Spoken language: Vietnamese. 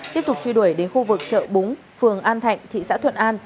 tiếp tục truy đuổi đến khu vực chợ búng phường an thạnh thị xã thuận an